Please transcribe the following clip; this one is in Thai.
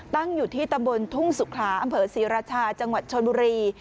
ตั้งอยู่ที่ตำบลทุ่งสุขลาอำเภอศรีราชาจังหวัดชนบุรี